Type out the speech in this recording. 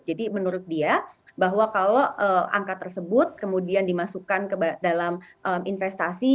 jadi menurut dia bahwa kalau angka tersebut kemudian dimasukkan ke dalam investasi